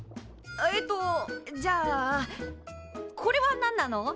えっとじゃあこれは何なの？